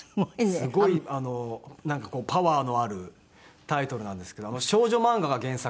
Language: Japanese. すごいなんかこうパワーのあるタイトルなんですけど少女漫画が原作。